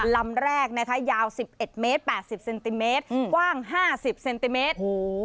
ลำแรกนะคะยาว๑๑เมตร๘๐เซนติเมตรกว้าง๕๐เซนติเมตร